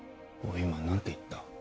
今何て言った？